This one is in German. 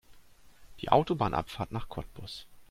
Die Autobahnabfahrt nach Cottbus